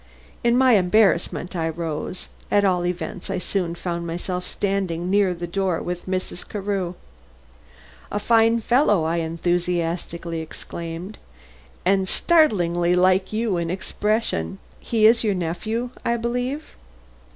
In my embarrassment I rose; at all events I soon found myself standing near the door with Mrs. Carew. "A fine fellow!" I enthusiastically exclaimed; "and startlingly like you in expression. He is your nephew, I believe?"